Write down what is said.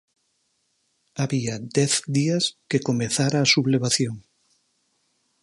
Había dez días que comezara a sublevación.